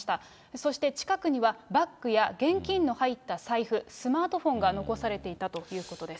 そして、近くにはバッグや現金の入った財布、スマートフォンが残されていたということです。